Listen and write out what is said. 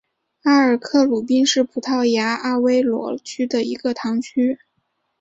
阿尔克鲁宾是葡萄牙阿威罗区的一个堂区。